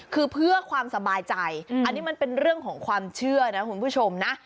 คือเพื่อความสบายใจอันนี้มันเป็นเรื่องของความเชื่อนะคุณผู้ชมนะ